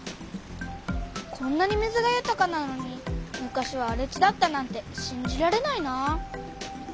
こんなに水がゆたかなのに昔はあれ地だったなんてしんじられないなあ。